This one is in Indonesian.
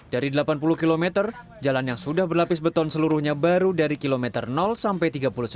dari delapan puluh km jalan yang sudah berlapis beton seluruhnya baru dari kilometer sampai tiga puluh sembilan